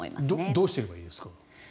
どうすればいいですか？